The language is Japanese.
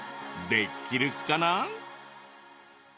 できるかな？